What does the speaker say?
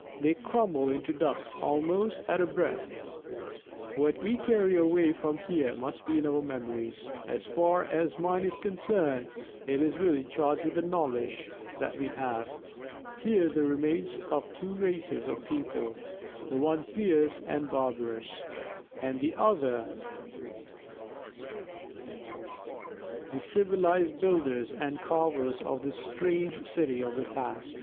They crumble into dust almost at a breath. What we carry away from here must be in our memories. As far as mine is concerned, it is already charged with the knowledge that we have, here the remains of two races of people, the one fierce and barbarous, the other the civilised builders and carvers of this strange city of the past.